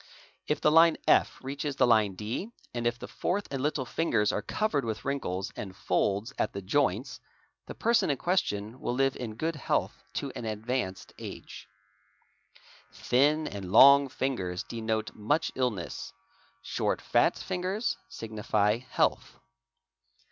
If the line F reach the line D and if the fourth and little fingers are covered with wrinkl and folds at the joints, the person in question will live in good heal OATHS 405 to an advanced age. Thin and long fingers denote much illness; short fat fingers signify health..